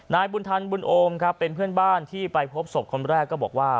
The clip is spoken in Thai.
นายบุญธันบุญโอมครับเป็นเพื่อนบ้านที่ไปพบศพคนแรกก็บอกว่า